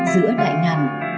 giữa đại ngàn